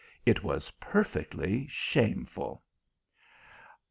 It was perfectly shameful!